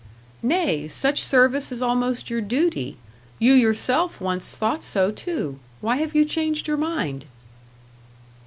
"Nay, such service is almost your duty; you yourself once thought so too. Why have you changed your mind?"